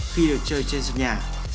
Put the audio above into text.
khi được chơi trên sân nhà